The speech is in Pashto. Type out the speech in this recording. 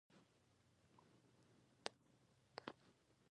آیا دا سیلانیانو ته خوند نه ورکوي؟